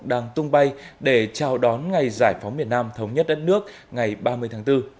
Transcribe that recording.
đang tung bay để chào đón ngày giải phóng miền nam thống nhất đất nước ngày ba mươi tháng bốn